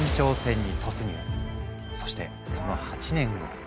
そしてその８年後。